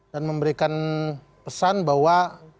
dan memberikan pesan bahwa